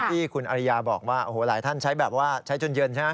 ที่คุณอริยาบอกว่าโอ้โหหลายท่านใช้แบบว่าใช้จนเย็นใช่ไหม